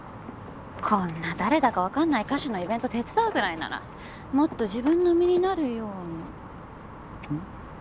こんな誰だか分かんない歌手のイベント手伝うぐらいならもっと自分の身になるようなん！？